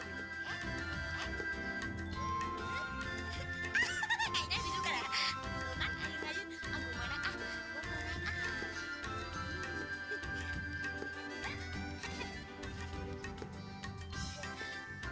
o ternyata hehehe